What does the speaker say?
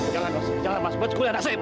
jalan mas jalan mas buat sekolah anak saya mas